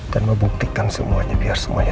dan membuktikan semuanya biar semuanya jelas